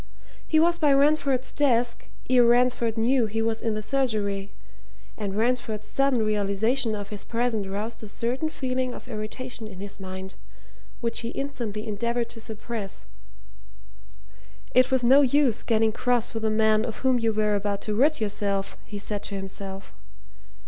He was by Ransford's desk ere Ransford knew he was in the surgery and Ransford's sudden realization of his presence roused a certain feeling of irritation in his mind, which he instantly endeavoured to suppress it was no use getting cross with a man of whom you were about to rid yourself, he said to himself.